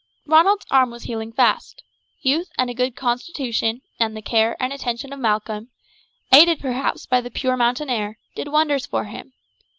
Ronald's arm was healing fast. Youth and a good constitution, and the care and attention of Malcolm, aided perhaps by the pure mountain air, did wonders for him.